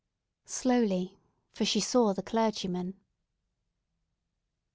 Slowly—for she saw the clergyman!